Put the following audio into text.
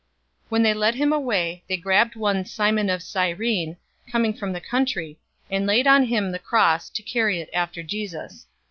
023:026 When they led him away, they grabbed one Simon of Cyrene, coming from the country, and laid on him the cross, to carry it after Jesus.